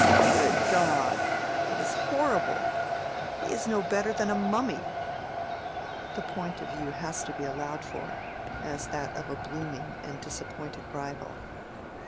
"Good God! It is horrible! He is no better than a mummy!" (The point of view has to be allowed for, as that of a blooming and disappointed rival.)